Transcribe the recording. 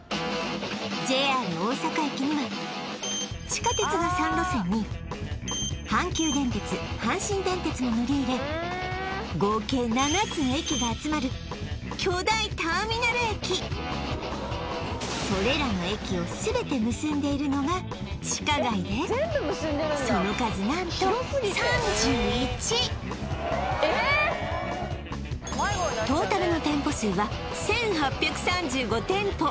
ＪＲ大阪駅には地下鉄が３路線に阪急電鉄阪神電鉄も乗り入れ合計７つの駅が集まる巨大ターミナル駅それらの駅を全て結んでいるのが地下街でその数何と３１えっえっトータルの店舗数は１８３５店舗